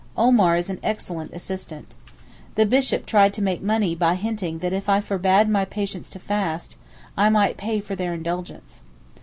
Omar is an excellent assistant. The bishop tried to make money by hinting that if I forbade my patients to fast, I might pay for their indulgence.